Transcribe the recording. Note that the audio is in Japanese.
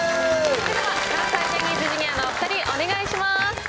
関西ジャニーズＪｒ．のお２人、お願いします。